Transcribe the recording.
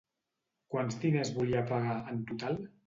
Quants diners volia pagar, en total?